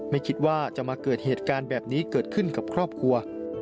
ไม่คิดว่าจะมาเกิดเหตุการณ์แบบนี้เกิดขึ้นกับครอบครัว